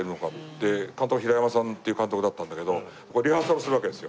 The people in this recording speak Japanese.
で監督が平山さんっていう監督だったんだけどリハーサルするわけですよ。